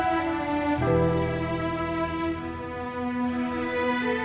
itu tuh cuma dua gram